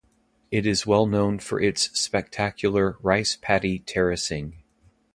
It is well known for its spectacular rice-paddy terracing.